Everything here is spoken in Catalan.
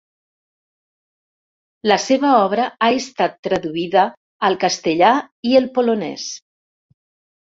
La seva obra ha estat traduïda al castellà i el polonès.